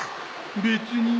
別に。